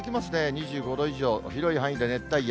２５度以上、広い範囲で熱帯夜。